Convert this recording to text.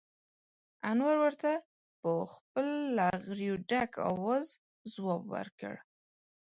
انور ورته په خپل له غريو نه ډک اواز ځواب ور کړ: